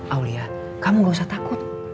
aulia kamu gak usah takut